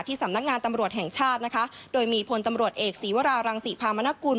สำนักงานตำรวจแห่งชาตินะคะโดยมีพลตำรวจเอกศีวรารังศรีพามนกุล